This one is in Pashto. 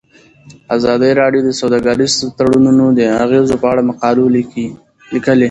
ازادي راډیو د سوداګریز تړونونه د اغیزو په اړه مقالو لیکلي.